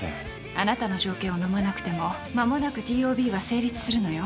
あなたの条件をのまなくても間もなくＴＯＢは成立するのよ。